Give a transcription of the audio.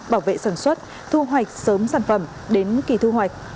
bảo vệ sản xuất thu hoạch sớm sản phẩm đến kỳ thu hoạch